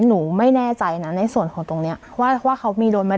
หนูไม่แน่ใจนะในส่วนของตรงเนี้ยว่าเขามีโดนไหม